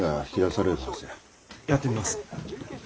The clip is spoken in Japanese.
やってみます。